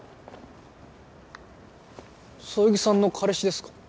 そよぎさんの彼氏ですか？